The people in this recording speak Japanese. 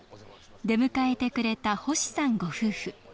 出迎えてくれた星さんご夫婦。